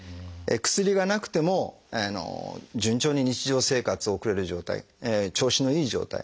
薬がなくても順調に日常生活を送れる状態調子のいい状態。